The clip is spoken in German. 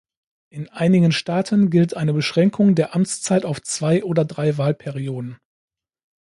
In einigen Staaten gilt eine Beschränkung der Amtszeit auf zwei oder drei Wahlperioden.